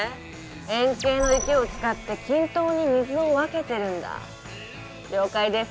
円形の池を使って均等に水を分けてるんだ了解です